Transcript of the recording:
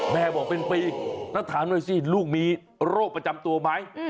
แม่บอกเป็นปีแล้วถามหน่อยสิลูกมีโรคประจำตัวไหม